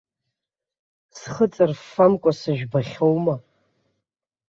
Схы ҵырффамкәа сыжәбахьоума?!